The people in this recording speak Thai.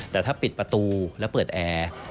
แต่ถ้าปิดประตูแล้วเปิดแอร์